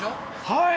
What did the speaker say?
はい！